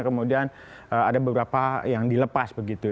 kemudian ada beberapa yang dilepas begitu